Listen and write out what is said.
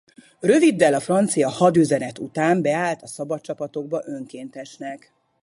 Röviddel a francia hadüzenet után beállt a szabadcsapatokba önkéntesnek.